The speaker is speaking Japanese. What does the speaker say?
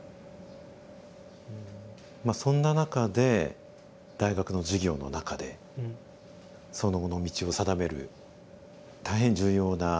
そんな中で大学の授業の中でその後の道を定める大変重要な出会いがあったそうですね。